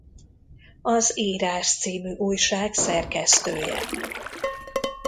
Az Írás c. újság szerkesztője.